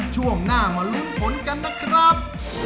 ช่วงหน้ามาลุ้นผลกันนะครับ